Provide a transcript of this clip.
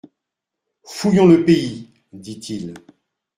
Fouillons le pays, dit-il.